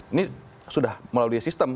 ini sudah melalui sistem